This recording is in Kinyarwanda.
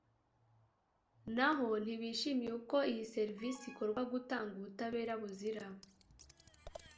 naho ntibishimiye uko iyi serivisi ikorwa gutanga ubutabera buzira